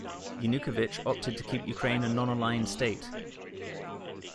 Yanukovych opted to keep Ukraine a non-aligned state.